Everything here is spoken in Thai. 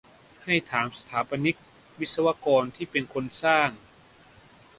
ให้ถามสถาปนิก-วิศวกร ที่เป็นคนสร้าง